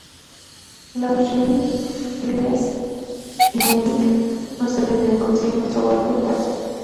Lau Xing, Phileas y Monique, no se rinden, consiguen otro barco y parten.